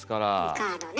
カードね。